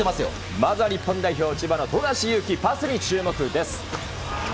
まずは日本代表、千葉の富樫勇樹、パスに注目です。